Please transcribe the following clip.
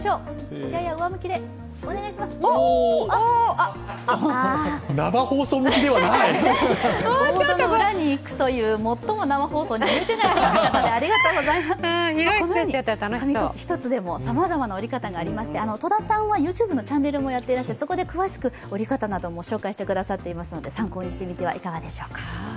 このように紙飛行機一つでもさまざまな折り方がありまして戸田さんはＹｏｕＴｕｂｅのチャンネルもやってまして、そこで詳しく折り方などもご紹介してくださってます、参考にしてみてはいかがでしょうか。